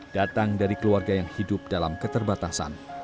datang dari keluarga yang hidup dalam keterbatasan